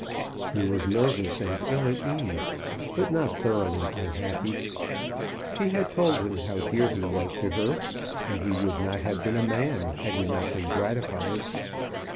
He was nervous and ill at ease, but not thoroughly unhappy. She had told him how dear he was to her, and he would not have been a man had he not been gratified.